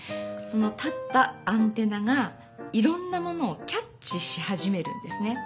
その立ったアンテナがいろんなものをキャッチしはじめるんですね。